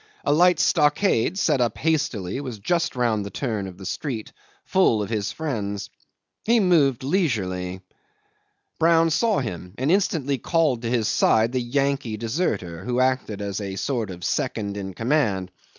A light stockade, set up hastily, was just round the turn of the street, full of his friends. He moved leisurely. Brown saw him, and instantly called to his side the Yankee deserter, who acted as a sort of second in command.